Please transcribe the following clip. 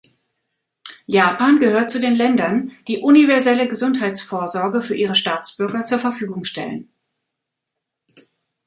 Japan gehört zu den Ländern, die universelle Gesundheitsvorsorge für ihre Staatsbürger zur Verfügung stellen.